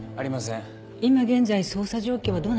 今現在捜査状況はどうなってるんですか？